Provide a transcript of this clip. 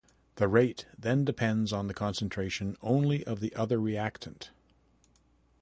The rate then depends on the concentration only of the other reactant.